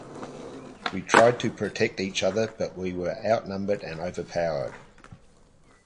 We tried to protect each other but we were outnumbered and overpowered.